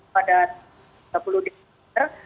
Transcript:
pada tiga puluh desember